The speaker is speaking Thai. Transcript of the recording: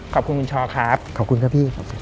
ขอบคุณคุณชอบครับ